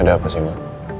ada apa sih ma